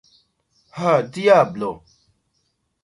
Ha, diablo!